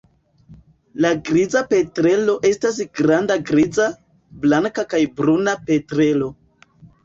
La Griza petrelo estas granda griza, blanka kaj bruna petrelo.